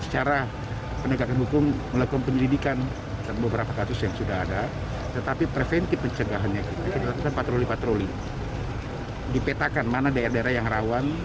jalan yang sepi saat berolahraga